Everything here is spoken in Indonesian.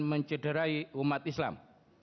mencederai umat islam